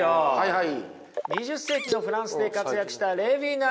はい。